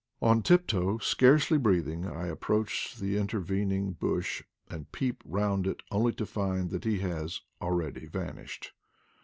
On tiptoe, scarcely breathing, I ap proach the intervening bush and peep round it, only to find that he has already vanished!